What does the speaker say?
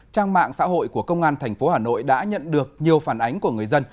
trang mạng xã hội của công an tp hà nội đã nhận được nhiều phản ánh của người dân